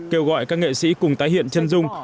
kêu gọi các nghệ sĩ cùng tái hiện chân dung